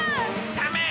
ダメ！